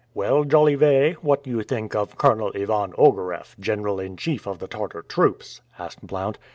"Well, Jolivet, what do you think of Colonel Ivan Ogareff, general in chief of the Tartar troops?" asked Blount.